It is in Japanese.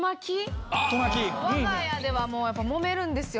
我が家ではもうやっぱもめるんですよ。